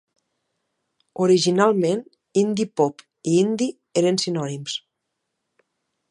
Originalment "Indie pop" i "indie" eren sinònims.